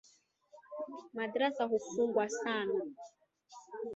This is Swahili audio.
Madarasa hufungwa sana.